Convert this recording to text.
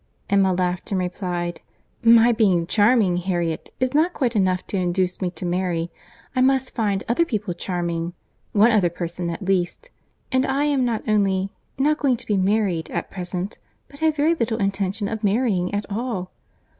— Emma laughed, and replied, "My being charming, Harriet, is not quite enough to induce me to marry; I must find other people charming—one other person at least. And I am not only, not going to be married, at present, but have very little intention of ever marrying at all."